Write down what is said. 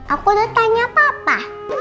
aku mau tanya papa